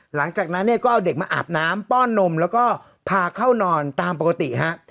หลังจากนั้นเนี่ยก็เอาเด็กมาอาบน้ำป้อนนมแล้วก็พาเข้านอนตามปกติฮะ